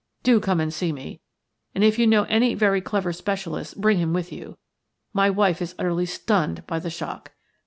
Do come and see me and if you know any very clever specialist bring him with you. My wife is utterly stunned by the shock.